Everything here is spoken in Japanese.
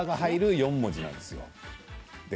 ４文字なんですよ。